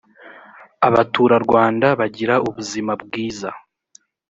abaturarwanda bagira ubuzima bwiza.